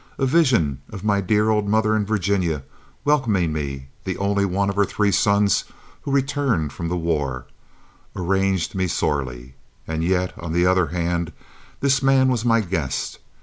A vision of my dear old mother in Virginia, welcoming me, the only one of her three sons who returned from the war, arraigned me sorely. And yet, on the other hand, this man was my guest.